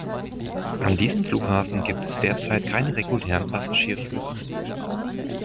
An diesem Flughafen gibt es derzeit keine regulären Passagierflüge.